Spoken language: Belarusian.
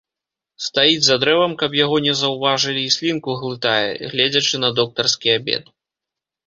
Стаіць за дрэвам, каб яго не заўважылі, і слінку глытае, гледзячы на доктарскі абед.